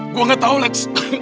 gue gak tau lex